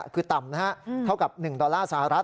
คือต่ำนะฮะเท่ากับ๑ดอลลาร์สหรัฐ